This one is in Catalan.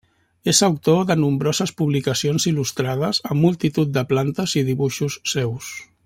És autor de nombroses publicacions il·lustrades amb multitud de plantes i dibuixos seus.